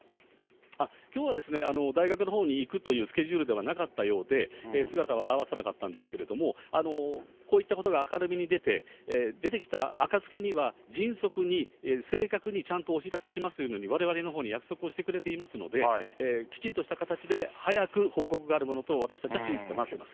きょうはですね、大学のほうに行くというスケジュールではなかったようで、姿を現さなかったんですけども、こういったことが明るみに出て、出てきたあかつきには迅速に、正確に、ちゃんとお知らせしますというように、われわれのほうに約束をしてくれていますので、きちんとした形で、早く報告があるものと、私たちは信じて待っています。